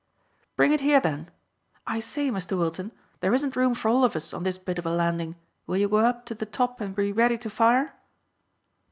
"Bring it here, then. I say, Mr Wilton, there isn't room for all of us on this bit of a landing. Will you go up to the top and be ready to fire?"